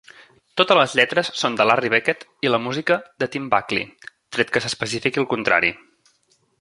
Totes les lletres són de Larry Beckett i la música de Tim Buckley, tret que s'especifiqui el contrari.